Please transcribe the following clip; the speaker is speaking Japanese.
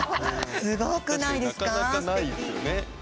すごくないですかすてき。